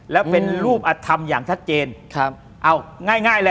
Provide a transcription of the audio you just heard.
และเป็นรูปอธรรมอย่างทัศเจน